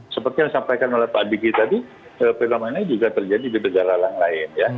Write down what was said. seperti yang disampaikan oleh pak diki tadi fenomena juga terjadi di negara lain ya